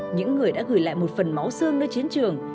những người đã gửi lại một phần máu xương nơi chiến trường